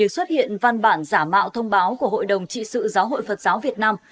xuất hiện văn bản giả mạo thông báo của hội đồng trị sự giáo hội phật giáo việt nam